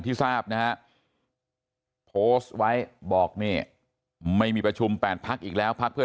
ที่ทราบนะฮะโพสต์ไว้บอกนี่ไม่มีประชุม๘พักอีกแล้วพักเพื่อ